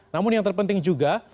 namun yang terpenting juga